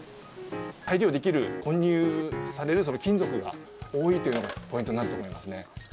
再利用できる、混入される金属が多いというのがポイントになってくるんですね。